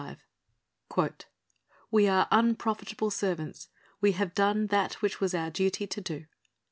CHAPTER XXXV "We are unprofitable servants: we have done that which was our duty to do."